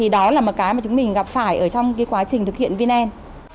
đó là một cái mà chúng mình gặp phải trong quá trình thực hiện vnen